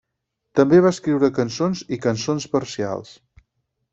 També va escriure cançons i cançons parcials.